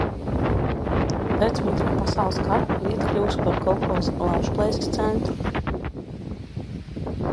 "Pēc Otrā pasaules kara vieta kļuvusi par kolhoza "Lāčplēsis" centru."